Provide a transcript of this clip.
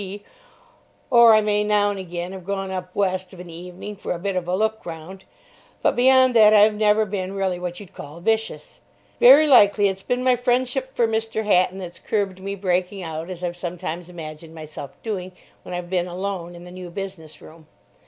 B.C.; or I may now and again have gone up West of an evening for a bit of a look round; but beyond that I've never been really what you'd call vicious. Very likely it's been my friendship for Mr. Hatton that's curbed me breaking out as I've sometimes imagined myself doing when I've been alone in the New Business Room.